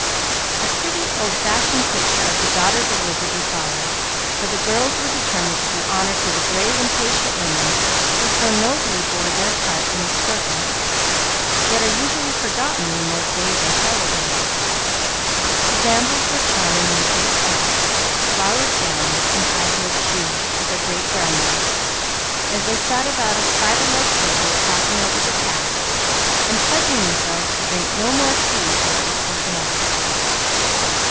A pretty, old fashioned picture of the "Daughters of Liberty" followed, for the girls were determined to do honor to the brave and patient women who so nobly bore their part in the struggle, yet are usually forgotten when those days are celebrated. The damsels were charming in the big caps, flowered gowns, and high heeled shoes of their great grandmothers, as they sat about a spider legged table talking over the tax, and pledging themselves to drink no more tea till it was taken off.